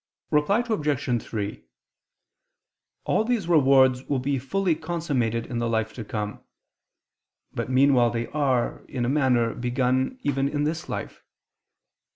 Reply Obj. 3: All these rewards will be fully consummated in the life to come: but meanwhile they are, in a manner, begun, even in this life.